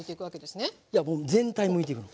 いやもう全体むいていくの。